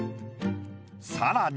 さらに。